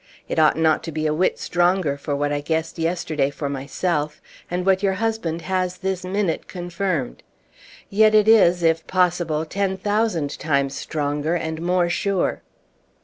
It ought not to be a whit stronger for what I guessed yesterday for myself, and what your husband has this minute confirmed. Yet it is, if possible, ten thousand times stronger and more sure!"